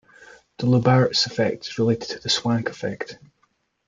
The Lubberts' effect is related to the Swank effect.